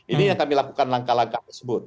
ini yang kami lakukan langkah langkah tersebut